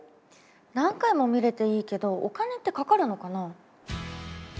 何回も見れていいけどお金ってかかるのかな？